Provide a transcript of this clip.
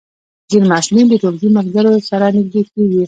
ځینې محصلین د ټولګي ملګرو سره نږدې کېږي.